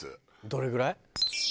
どれぐらい？